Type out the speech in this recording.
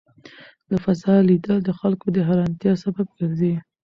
له فضا لیدل د خلکو د حېرانتیا سبب ګرځي.